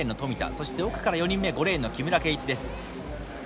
そして奥から４人目５レーンの木村敬一です。